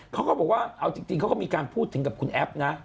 เขาก็บอกว่าเอาจริงเขาก็มีการพูดถึงกับคุณแอฟนะ